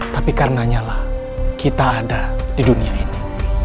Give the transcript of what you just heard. tapi karenanya lah kita ada di dunia ini